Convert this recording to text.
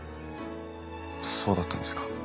そうだったんですか。